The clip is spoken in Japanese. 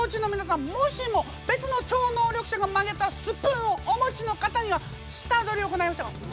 もしも別の超能力者が曲げたスプーンをお持ちの方には下取りを行いましょう。